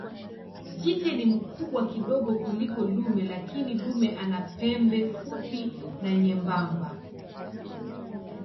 Jike ni mkubwa kidogo kuliko dume lakini dume ana pembe fupi na nyembamba.